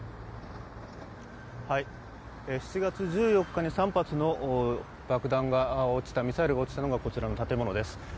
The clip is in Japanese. ７月１４日に３発のミサイルが落ちたのが、こちらの建物です。